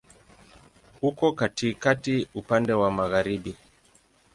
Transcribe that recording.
Uko katikati, upande wa magharibi.